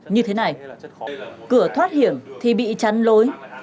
như thế này cửa thoát hiểm thì bị chắn lối